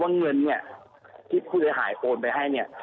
เงินเนี่ยที่ผู้เสียหายโอนไปให้เนี่ย